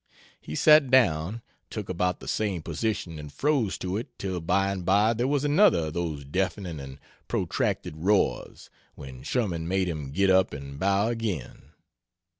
He sat down, took about the same position and froze to it till by and by there was another of those deafening and protracted roars, when Sherman made him get up and bow again.